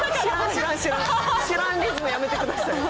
知らんリズムやめてください。